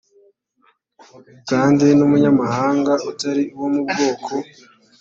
kandi n umunyamahanga utari uwo mu bwoko